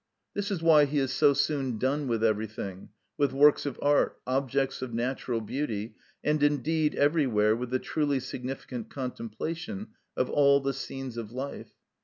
This is why he is so soon done with everything, with works of art, objects of natural beauty, and indeed everywhere with the truly significant contemplation of all the scenes of life.